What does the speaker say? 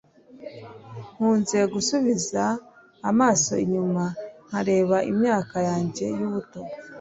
Nkunze gusubiza amaso inyuma nkareba imyaka yanjye y'ubuto.